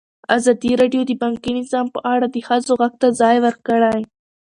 ازادي راډیو د بانکي نظام په اړه د ښځو غږ ته ځای ورکړی.